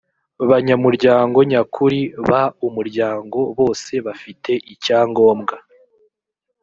banyamuryango nyakuri b umuryango bose bafite icyangombwa